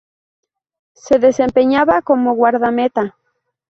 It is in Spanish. Se desempeñaba como guardameta.